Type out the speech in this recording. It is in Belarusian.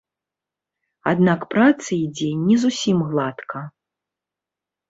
Аднак праца ідзе не зусім гладка.